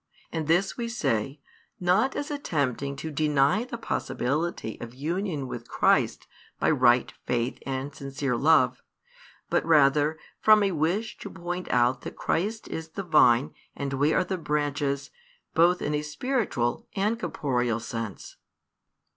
And this we say, not as attempting to deny the possibility of union with Christ by right faith and sincere love, but rather from a wish to point out that Christ is the Vine and we are the branches, both in a spiritual and corporeal sense.